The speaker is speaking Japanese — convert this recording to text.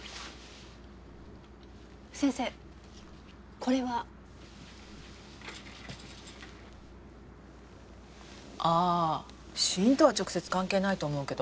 先生これは？ああ死因とは直接関係ないと思うけど。